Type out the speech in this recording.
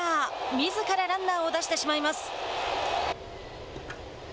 みずからランナーを出してしまいます。